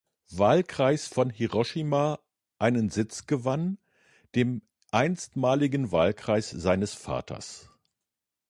Wahlkreis von Hiroshima einen Sitz gewann, dem einstmaligen Wahlkreis seines Vaters.